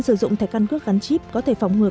sử dụng thể cân cước gắn chip có thể phóng ngừa